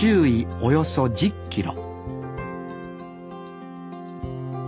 およそ１０キロ